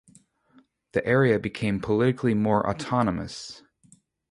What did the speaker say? The area became politically more autonomous.